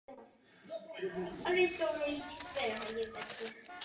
Odtud se v této pozměněné podobě šíří do okolního světa.